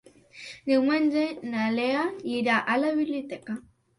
Diumenge na Lea irà a la biblioteca.